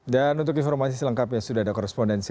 dan untuk informasi selengkapnya sudah ada korespondensi